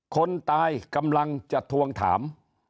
คนตายกำลังจะทวงถาม